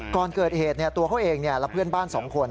ก่อนเกิดเหตุตัวเขาเองและเพื่อนบ้าน๒คน